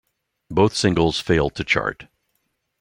Both singles failed to chart.